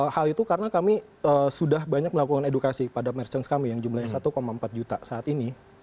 hal itu karena kami sudah banyak melakukan edukasi pada merchant kami yang jumlahnya satu empat juta saat ini